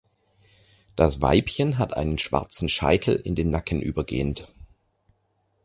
Das Weibchen hat einen schwarzen Scheitel in den Nacken übergehend.